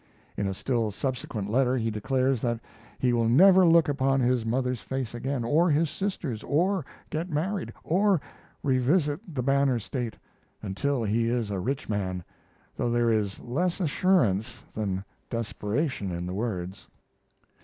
In a still subsequent letter he declares that he will never look upon his mother's face again, or his sister's, or get married, or revisit the "Banner State," until he is a rich man, though there is less assurance than desperation in the words.